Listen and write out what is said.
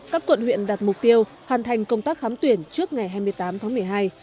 các quận huyện đặt mục tiêu hoàn thành công tác khám tuyển trước ngày hai mươi tám tháng một mươi hai